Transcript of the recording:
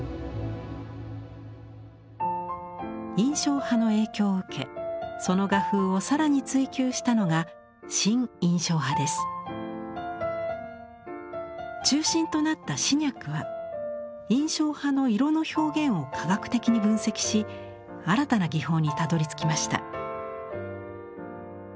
印象派の影響を受けその画風を更に追求したのが中心となったシニャックは印象派の色の表現を科学的に分析し新たな技法にたどりつきました。